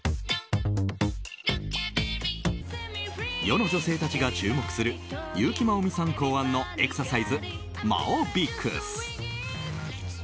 世の女性たちが注目する優木まおみさん考案のエクササイズ、マオビクス。